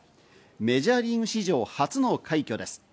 メジャーリーグ史上初の快挙です。